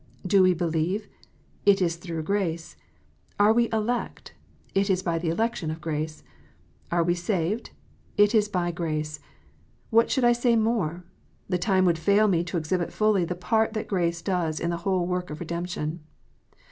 Do we believe ? it is through grace. Are we elect ? it is by the election of grace. Are we saved 1 it is by g race . "VVhy should I say more ? The time would fail me to exhibit fully the part that grace does in the whole work of redemption.